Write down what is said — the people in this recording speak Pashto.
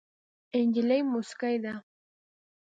نجلۍ موسکۍ ده.